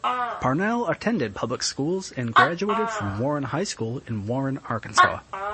Parnell attended public schools and graduated from Warren High School in Warren, Arkansas.